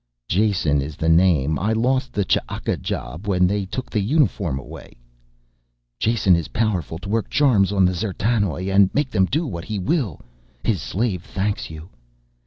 "Jason is the name, I lost the Ch'aka job when they took the uniform away." "... Jason is powerful to work charms on the D'zertanoj and makes them do what he will. His slave thanks you."